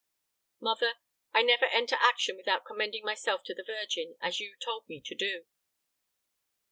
"Mother: I never enter action without commending myself to the Virgin, as you told me to do."